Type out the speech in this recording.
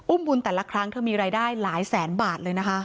บุญแต่ละครั้งเธอมีรายได้หลายแสนบาทเลยนะคะ